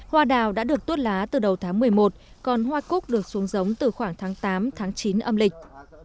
hoa đào đã được tuốt lá từ đầu tháng một mươi một còn hoa cúc được xuống giống từ khoảng tháng tám tháng chín âm lịch